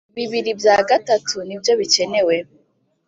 Bibiri bya gatu nibyobikenewe.